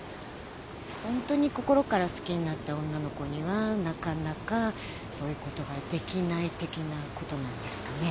ホントに心から好きになった女の子にはなかなかそういうことができない的なことなんですかね？